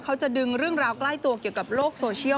เขาจะดึงเรื่องราวใกล้ตัวเกี่ยวกับโลกโซเชียล